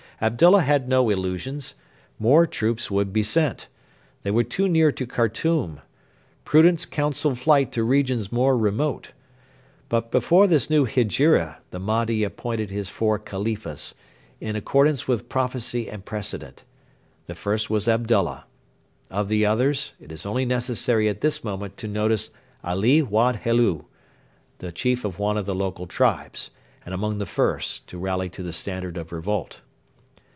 Abdullah had no illusions. More troops would be sent. They were too near to Khartoum. Prudence counselled flight to regions more remote. But before this new Hegira the Mahdi appointed his four Khalifas, in accordance with prophecy and precedent. The first was Abdullah. Of the others it is only necessary at this moment to notice Ali Wad Helu, the chief of one of the local tribes, and among the first to rally to the standard of revolt.